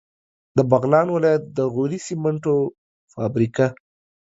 د بغلان ولایت د غوري سیمنټو فابریکه